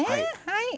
はい。